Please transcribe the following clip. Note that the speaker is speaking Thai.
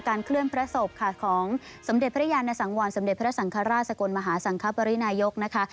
เคลื่อนพระศพค่ะของสมเด็จพระยานสังวรสมเด็จพระสังฆราชสกลมหาสังคปรินายกนะคะ